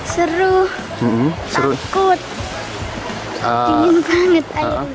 seru takut dingin banget